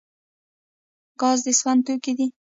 ګاز د سون توکی دی